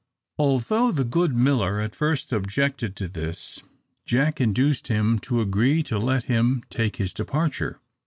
Although the good miller at first objected to this, Jack induced him to agree to let him take his departure.